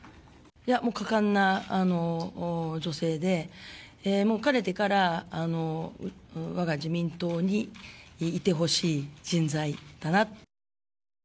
果敢な女性で、かねてから我が自民党にいてほしい人材だなって。